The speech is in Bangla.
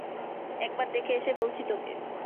একবার দেখে এসে বলছি তোকে।